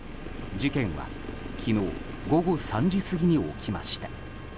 事件は昨日午後３時過ぎに起きました。